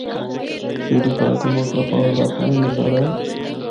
سری پائے تے مکڑا پہاڑ دا اپنڑا ہی نظارہ اے۔